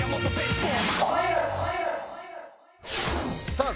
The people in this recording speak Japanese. さあ